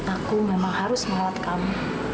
aku memang harus melawat kamu